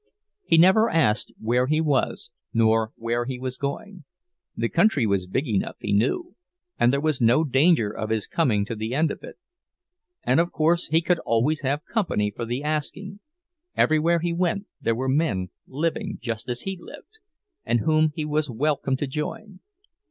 He never asked where he was nor where he was going; the country was big enough, he knew, and there was no danger of his coming to the end of it. And of course he could always have company for the asking—everywhere he went there were men living just as he lived, and whom he was welcome to join.